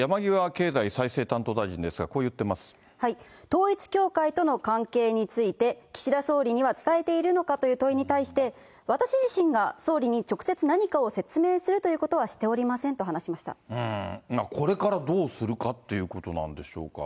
統一教会との関係について、岸田総理には伝えているのかという問いに対して、私自身が総理に直接何かを説明するということはしておりませんとこれからどうするかっていうことなんでしょうか。